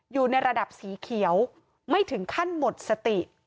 อยู่ในระดับสีเขียวไม่ถึงขั้นหมดสติ